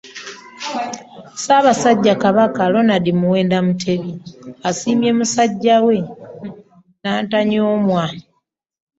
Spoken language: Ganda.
Ssaabassajja Kabaka, Ronald Muwenda Mutebi asiimye musajja we nnantanyoomwa.